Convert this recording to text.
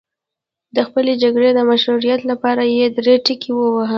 د خپلې جګړې د مشروعیت لپاره یې درې ټکي وویل.